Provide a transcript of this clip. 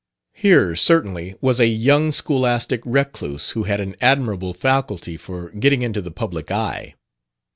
Here, certainly, was a young scholastic recluse who had an admirable faculty for getting into the public eye.